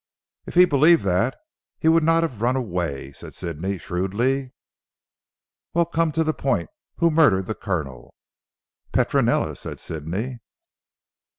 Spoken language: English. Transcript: "If he believed that, he would not have run away," said Sidney shrewdly. "Well come to the point. Who murdered the Colonel?" "Petronella," said Sidney.